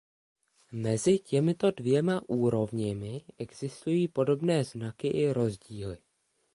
Mezi těmito dvěma úrovněmi existují podobné znaky i rozdíly.